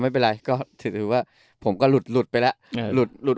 ไม่เป็นไรก็ถือถือว่าผมก็หลุดหลุดไปล่ะหลุดหลุด